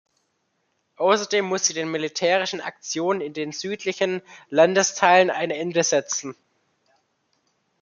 Außerdem muss sie den militärischen Aktionen in den südlichen Landesteilen ein Ende setzen.